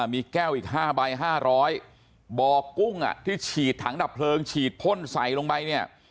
มีแก้วอีก๕ใบ๕๐๐บ่อกุ้งที่ฉีดถังดับเพลิงฉีดพ่นใส่ลงไปเนี่ย